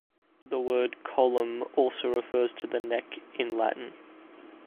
The word "collum" also refers to the neck in Latin.